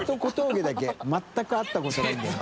兇半修世全く会ったことないんだよな。